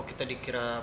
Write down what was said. kita bisa tuken kan